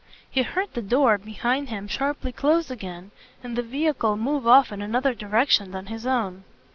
He heard the door, behind him, sharply close again and the vehicle move off in another direction than his own.